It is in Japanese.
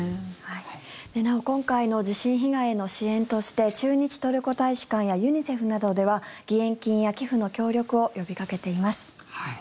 なお今回の地震被害への支援として駐日トルコ大使館やユニセフなどでは義援金や寄付の協力を呼びかけています。